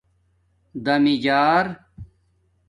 دَمیجآر